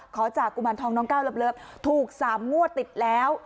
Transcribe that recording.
ขอจากกุมารทองน้องก้าวเลิฟถูก๓งวดติดแล้ว